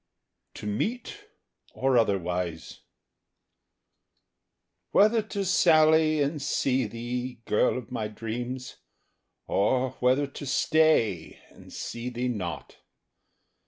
TO MEET, OR OTHERWISE WHETHER to sally and see thee, girl of my dreams, Or whether to stay And see thee not!